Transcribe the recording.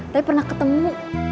tapi pernah ketemu